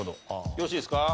よろしいですか？